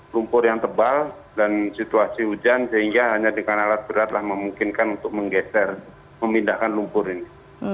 lumpur yang tebal dan situasi hujan sehingga hanya dengan alat beratlah memungkinkan untuk menggeser memindahkan lumpur ini